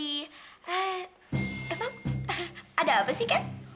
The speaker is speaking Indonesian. eh emang ada apa sih ken